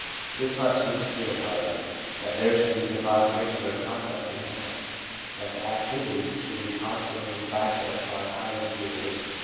This much seems clear, however, that there should be the proper mixture of conduct and insight ; that the activity should be constantly backed up by a higher degree of wisdom.